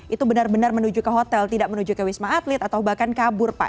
itu benar benar menuju ke hotel tidak menuju ke wisma atlet atau bahkan kabur pak